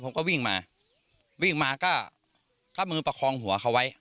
ผมก็วิ่งมาวิ่งมาก็มือประคองหัวเขาไว้